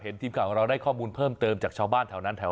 ทีมข่าวของเราได้ข้อมูลเพิ่มเติมจากชาวบ้านแถวนั้นแถว